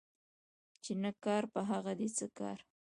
چي نه کار په هغه دي څه کار